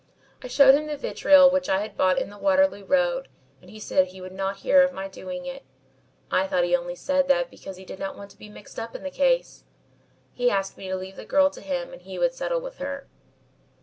I showed him the vitriol which I had bought in the Waterloo Road and he said he would not hear of my doing it. I thought he only said that because he did not want to be mixed up in the case. He asked me to leave the girl to him and he would settle with her.